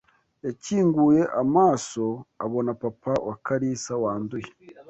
Yakinguye amaso abona papa wa Karisa wanduye